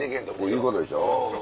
いうことでしょ。